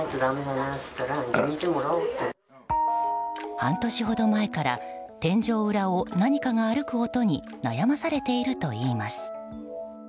半年ほど前から天井裏を何かが歩く音に悩まされているといいます。